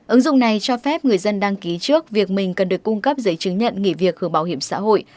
ứng dụng này cho phép người dân đăng ký trước việc mình cần được cung cấp giấy chứng nhận nghỉ việc hưởng bảo hiểm xã hội